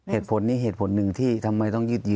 เหตุผลนี้เหตุผลหนึ่งที่ทำไมต้องยืดเยอะ